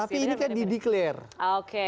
tapi ini kan di declare